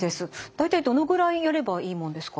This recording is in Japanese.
大体どのぐらいやればいいもんですか？